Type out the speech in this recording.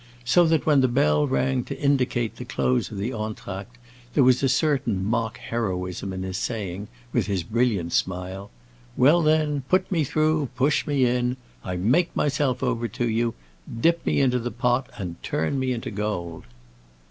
So that when the bell rang to indicate the close of the entr'acte, there was a certain mock heroism in his saying, with his brilliant smile, "Well, then, put me through; push me in! I make myself over to you. Dip me into the pot and turn me into gold."